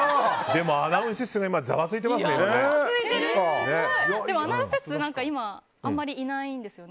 でも、アナウンス室は今ざわついてますよ。